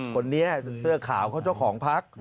คนนี้เสื้อขาวเขาเจ้าของพัก